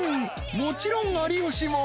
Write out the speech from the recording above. ［もちろん有吉も］